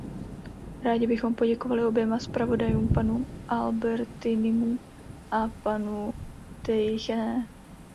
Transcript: Rádi bychom poděkovali oběma zpravodajům, panu Albertinimu a panu Teychenné.